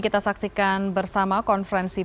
kita saksikan bersama konferensi